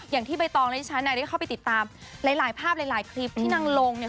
อย่างที่ใบตองและที่ฉันได้เข้าไปติดตามหลายภาพหลายคลิปที่นางลงเนี่ย